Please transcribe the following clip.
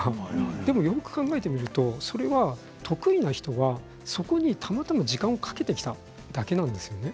でも、よく考えてみるとそれは得意な人はそこにたまたま時間をかけてきただけなんです。